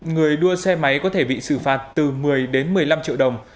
người đua xe máy có thể bị xử phạt từ một mươi đến một mươi năm triệu đồng